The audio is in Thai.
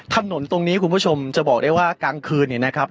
ถนนตรงนี้คุณผู้ชมจะบอกได้ว่ากลางคืนเนี่ยนะครับ